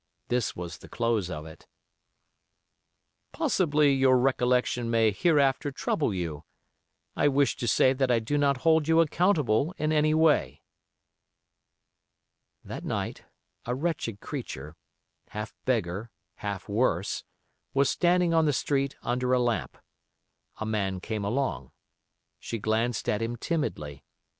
This was the close of it: "Possibly your recollection may hereafter trouble you. I wish to say that I do not hold you accountable in any way." That night a wretched creature, half beggar, half worse, was standing on the street under a lamp. A man came along. She glanced at him timidly.